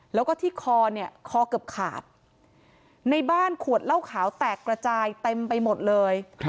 แล้วก็ที่คอเนี่ยคอเกือบขาดในบ้านขวดเหล้าขาวแตกระจายเต็มไปหมดเลย